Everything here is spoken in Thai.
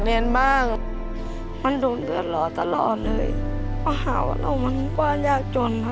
เรียนบ้างมันดูเดือดรอตลอดเลยเพราะหาว่าเรามันกว้างยากจนค่ะ